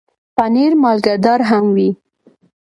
پنېر مالګهدار هم وي.